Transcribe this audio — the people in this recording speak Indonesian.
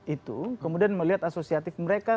itu kemudian melihat asosiatif mereka